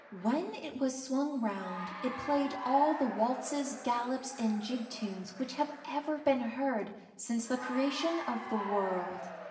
When it was swung round it played all the waltzes, galops and jig tunes which have ever been heard since the creation of the world.